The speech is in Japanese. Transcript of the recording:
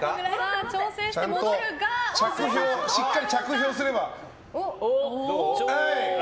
しっかり着氷すれば。